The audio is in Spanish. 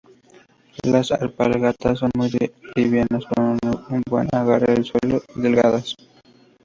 Las alpargatas son muy livianas, con buen agarre al suelo y muy delgadas.